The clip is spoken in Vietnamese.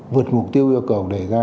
vượt mục tiêu yêu cầu đẩy ra